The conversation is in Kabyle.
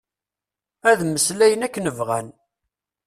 Ad mmeslayen akken bɣan.